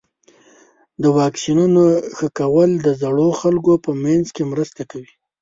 د واکسینونو ښه کول د زړو خلکو په منځ کې مرسته کوي.